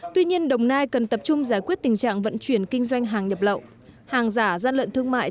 tuy nhiên đồng nai cần tập trung giải quyết tình trạng vận chuyển kinh doanh hàng nhập lậu hàng giả gian lận thương mại